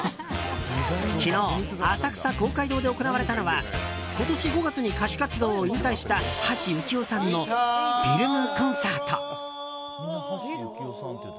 昨日、浅草公会堂で行われたのは今年５月に歌手活動を引退した橋幸夫さんのフィルムコンサート。